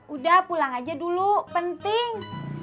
udah pulang aja dulu penting